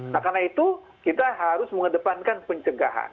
nah karena itu kita harus mengedepankan pencegahan